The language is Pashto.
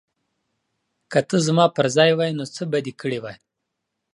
که ته زما پر ځای وای نو څه به دې کړي وای؟